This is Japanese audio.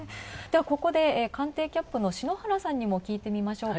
ここで、官邸キャップの篠原さんにも聞いてみましょうか。